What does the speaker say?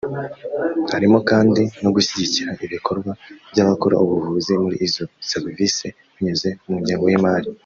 Harimo kandi no gushyigikira ibikorwa by’abakora ubuvugizi muri izo serivisi binyuze mu ngengo y’ imari